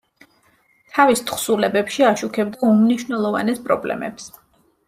თავის თხზულებებში აშუქებდა უმნიშვნელოვანეს პრობლემებს.